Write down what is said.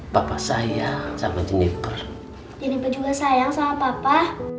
bapak saya sama jenifer jenifer juga sayang sama papa